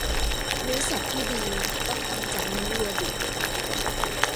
เนื้อสับที่ดีต้องทำจากเนื้อวัวดิบ